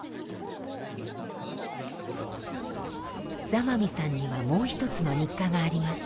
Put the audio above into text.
座間味さんにはもう一つの日課があります。